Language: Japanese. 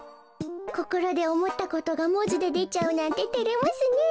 こころでおもったことがもじででちゃうなんててれますねえ。